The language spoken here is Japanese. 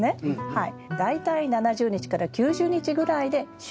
はい。